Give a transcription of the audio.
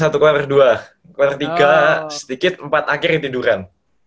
nonton ke satu ke dua ke tiga sedikit empat akhirnya tiduran